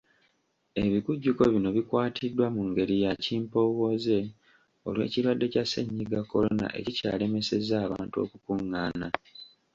Ebikujjuko bino bikwatiddwa mu ngeri ya kimpowooze olw'ekirwadde kya Ssennyiga Corona ekikyalemesezza abantu okukungaana.